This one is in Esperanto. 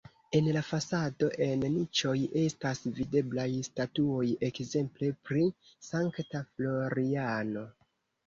En la fasado en niĉoj estas videblaj statuoj ekzemple pri Sankta Floriano.